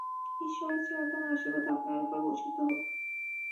ঈশ্বরের চিরন্তন আশীর্বাদ আপনার উপর বর্ষিত হোক।